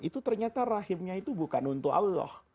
itu ternyata rahimnya itu bukan untuk allah